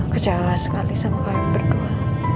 kejala sekali sama kami berdua